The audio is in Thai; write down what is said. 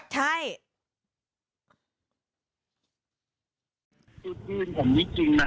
ใช่